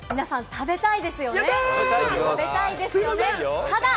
食べたいですよね？